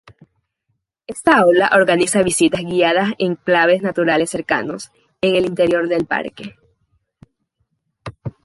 Esta aula organiza visitas guiadas a enclaves naturales cercanos, en el interior del parque.